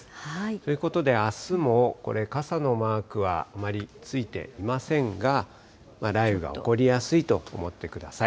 ということで、あすも傘のマークはあまりついていませんが、雷雨が起こりやすいと思ってください。